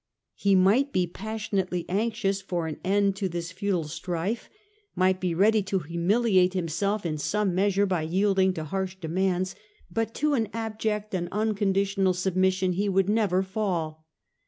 He might be passionately anxious for an end to this futile strife, might be ready to humiliate himself in some measure by yielding to harsh demands ; but to an abject and unconditional submission he would never fall.